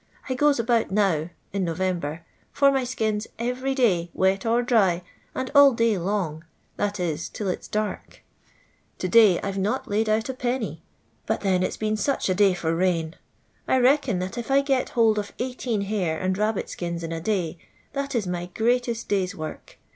I goes about now (in November) for my skins every day, wet or dry, and all day long— that is, till it 's dark. To day I 've not hiid out a penny, but then it *s been such a day 112 LONDOir LABOUR ASD TEE LONDON POOR. f >r rain. I reckon that if I gets hold of eighteen bare and r.ibbit skini in a dar, that ii my greateat day's work.